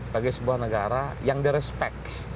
bagi sebuah negara yang di respect